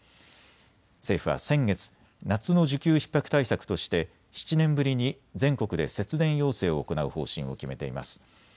政府は先月、夏の需給ひっ迫対策として７年ぶりに全国で節電要請を行う方針を決めています。